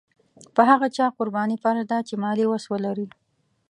په هغه چا قرباني فرض ده چې مالي وس ولري.